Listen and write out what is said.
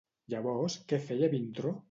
Llavors, què feia Vintró?